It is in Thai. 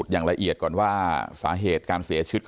จน๘โมงเช้าวันนี้ตำรวจโทรมาแจ้งว่าพบเป็นศพเสียชีวิตแล้ว